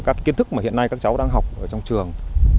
các kiến thức mà hiện nay các cháu đang học ở trong trường